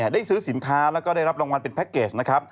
ได้ซื้อสินค้าแล้วก็ได้รับรางวัลเป็นแพ็คเกจนะครับ